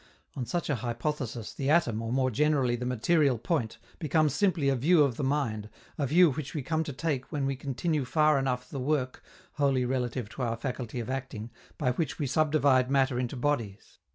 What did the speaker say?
On such a hypothesis, the atom or, more generally, the material point, becomes simply a view of the mind, a view which we come to take when we continue far enough the work (wholly relative to our faculty of acting) by which we subdivide matter into bodies.